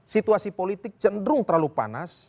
situasi politik cenderung terlalu panas